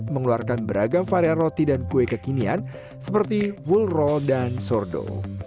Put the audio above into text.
mengeluarkan beragam varian roti dan kue kekinian seperti wul roll dan sordo